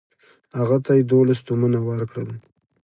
هغه ته یې دوولس تومنه ورکړل.